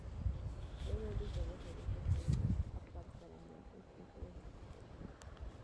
todo él está basado en construir más aparcamientos en todos los espacios